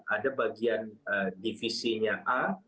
ada bagian divisinya a